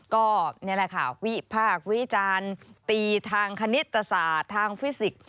ก็นี่แหละค่ะวิพากษ์วิจารณ์ตีทางคณิตศาสตร์ทางฟิสิกส์